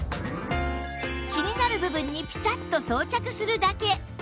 気になる部分にピタッと装着するだけ